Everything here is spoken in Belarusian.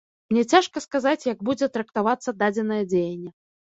Мне цяжка сказаць, як будзе трактавацца дадзенае дзеянне.